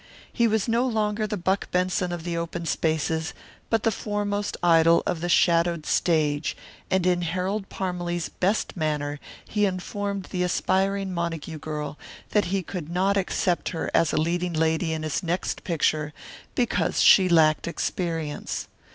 He was no longer the Buck Benson of the open spaces, but the foremost idol of the shadowed stage, and in Harold Parmalee's best manner he informed the aspiring Montague girl that he could not accept her as leading lady in his next picture because she lacked experience.